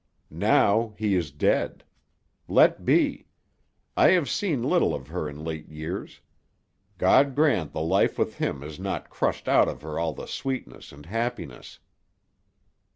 Now, he is dead. Let be. I have seen little of her in late years. God grant the life with him has not crushed out of her all her sweetness and happiness."